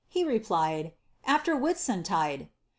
he replied, «« after Whitauntide.>